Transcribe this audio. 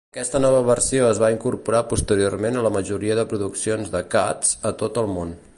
Aquesta nova versió es va incorporar posteriorment a la majoria de produccions de "Cats" a tot el món.